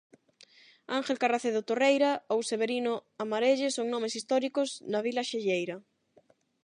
Ángel Carracedo Torreira ou Severino Amarelle son nomes históricos na vila xalleira.